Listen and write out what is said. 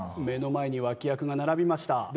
目の前に脇役が並びました。